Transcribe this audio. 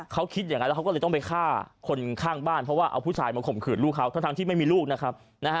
เขาคิดอย่างนั้นแล้วเขาก็เลยต้องไปฆ่าคนข้างบ้านเพราะว่าเอาผู้ชายมาข่มขืนลูกเขาทั้งที่ไม่มีลูกนะครับ